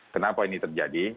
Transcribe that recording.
kenapa ini terjadi